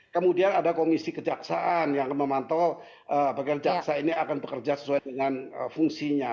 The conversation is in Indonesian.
kemudian ada komisi kejaksaan yang memantau bagaimana jaksa ini akan bekerja sesuai dengan fungsinya